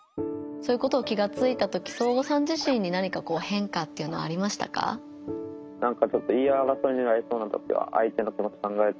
そういうことを気がついたときそーごさん自身に何かこう変化っていうのありましたか？